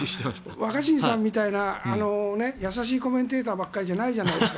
若新さんみたいな優しいコメンテーターばかりじゃないじゃないですか。